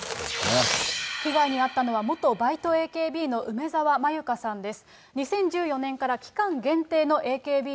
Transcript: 被害に遭ったのは、元バイトＡＫＢの梅澤愛優香さんです。